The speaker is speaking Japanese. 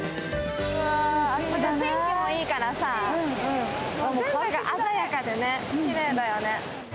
天気もいいからさ、鮮やかできれいだよね。